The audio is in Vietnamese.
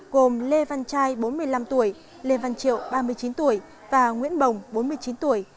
gồm lê văn trai bốn mươi năm tuổi lê văn triệu ba mươi chín tuổi và nguyễn bồng bốn mươi chín tuổi